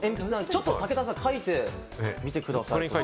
ちょっと武田さん、書いてみてください。